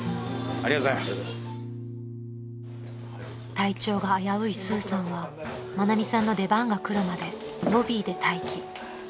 ［体調が危ういスーさんは愛美さんの出番が来るまでロビーで待機］